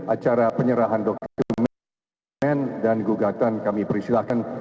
acara penyerahan dokumen dan gugatan kami persilahkan